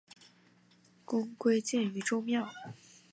公归荐于周庙。